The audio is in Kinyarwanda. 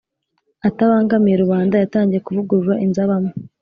atabangamiye rubanda yatangiye kuvugurura inzu abamo